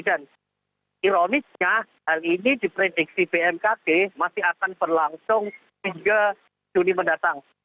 dan ironisnya hal ini diprediksi bmkd masih akan berlangsung hingga juni mendatang